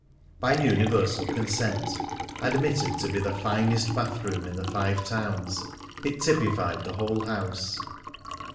By universal consent admitted to be the finest bathroom in the Five Towns, it typified the whole house.